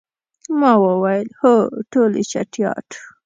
ما وویل، هو، ټولې چټیات.